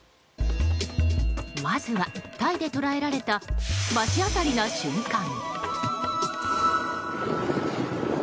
まずはタイで捉えられた罰当たりな瞬間。